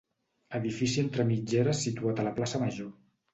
Edifici entre mitgeres situat a la Plaça Major.